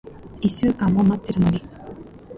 一週間も待ってるのに。